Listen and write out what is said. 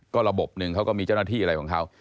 ก็ระบบหนึ่งเขาก็มีเจ้าหน้าที่อะไรของเขา